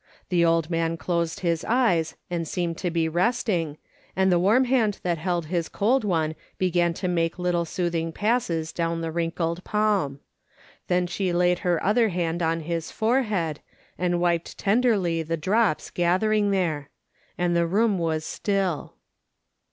The old man closed his eyes, and seemed to be resting, and the warm hand that held his cold one began to make little soothing passes down the wrinkled palm ; then she laid her other hand on his forehead, and wiped tenderly the drops gathering there ; and the room was still.